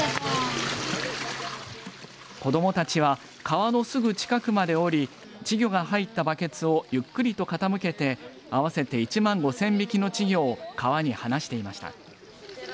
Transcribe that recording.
子どもたちは川のすぐ近くまで降り稚魚が入ったバケツをゆっくりと傾けて合わせて１万５０００匹の稚魚を川に放していました。